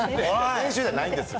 年収じゃないんですよ。